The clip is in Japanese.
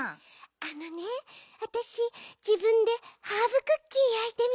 あのねわたしじぶんでハーブクッキーやいてみたの。